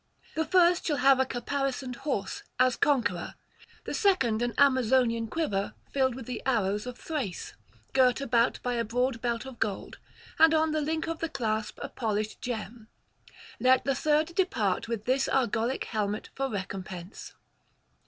The first shall have a caparisoned horse as conqueror; the second an Amazonian quiver filled with arrows of Thrace, girt about by a broad belt of gold, and on the link of the clasp a polished gem; let the third depart with this Argolic helmet for recompense.'